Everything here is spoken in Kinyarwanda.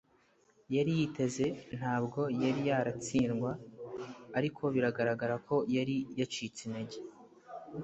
yari yiteze. ntabwo yari yaratsindwa, ariko biragaragara ko yari yacitse intege